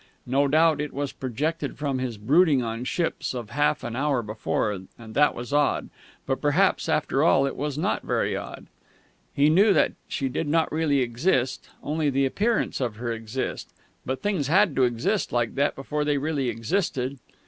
No doubt it was projected from his brooding on ships of half an hour before; and that was odd.... But perhaps, after all, it was not very odd. He knew that she did not really exist; only the appearance of her existed; but things had to exist like that before they really existed.